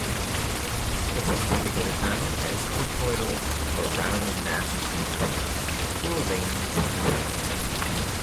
It is typically found as botryoidal or rounded masses and crusts, or vein fillings.